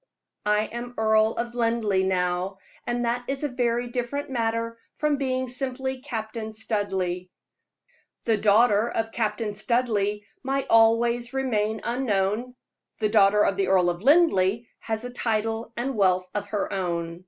I am Earl of Linleigh, now, and that is a very different matter from being simply Captain Studleigh. The daughter of Captain Studleigh might always remain unknown; the daughter of the Earl of Linleigh has a title and wealth of her own.